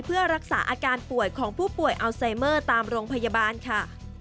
เพื่อรักษาอาการป่วยของผู้ป่วยอัลไซเมอร์ตามโรงพยาบาลค่ะ